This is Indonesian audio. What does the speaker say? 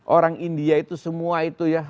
orang india itu semua itu ya